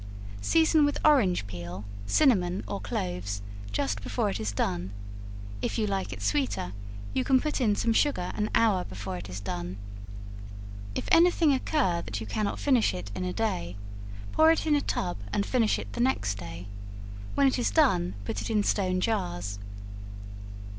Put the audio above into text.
Season with orange peel, cinnamon or cloves, just before it is done; if you like it sweeter, you can put in some sugar an hour before it is done. If any thing occur that you cannot finish it in a day, pour it in a tub, and finish it the next day; when it is done put it in stone jars.